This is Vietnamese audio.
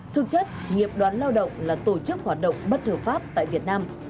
thực chất nghiệp đoàn lao động là tổ chức hoạt động bất hợp pháp tại việt nam